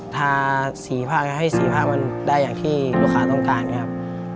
ทาสีผ้าให้สีผ้ามันได้อย่างที่ลูกค้าต้องการครับ